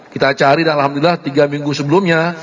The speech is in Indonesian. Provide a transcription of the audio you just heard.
kita cari dan alhamdulillah tiga minggu sebelumnya